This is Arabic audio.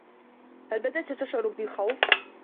هل بدأت تشعر بالخوف؟